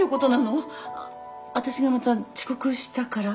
私がまた遅刻したから？